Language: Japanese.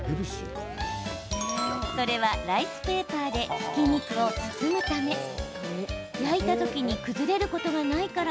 それは、ライスペーパーでひき肉を包むため焼いた時に崩れることがないから。